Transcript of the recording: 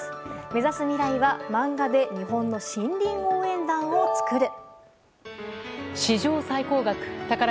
目指す未来は漫画で日本の森林応援団をつくる。